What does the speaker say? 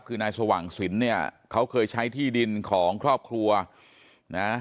คือนายสว่างสินเนี่ยเขาเคยใช้ที่ดินของครอบครัวนะ